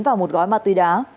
và một gói ma túy đá